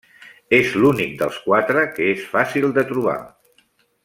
És l'únic dels quatre que és fàcil de trobar.